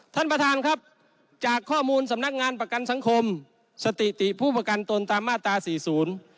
ท่านประธานครับจากข้อมูลสำนักงานประกันสังคมสถิติผู้ประกันตนตามมาตราสี่ศูนย์